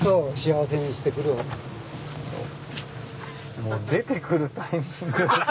もう出てくるタイミングが。